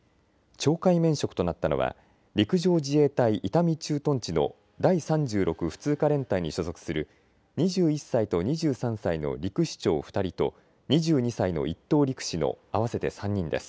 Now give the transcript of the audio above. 懲戒免職となったのは陸上自衛隊伊丹駐屯地の第３６普通科連隊に所属する２１歳と２３歳の陸士長２人と２２歳の１等陸士の合わせて３人です。